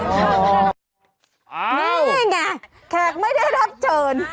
คือแขกไม่ได้รับเชิญ